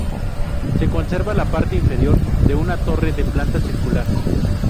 Se conserva la parte inferior de una torre de planta circular.